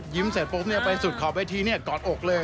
เสร็จปุ๊บไปสุดขอบเวทีกอดอกเลย